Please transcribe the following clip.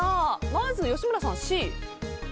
まず吉村さん、Ｃ。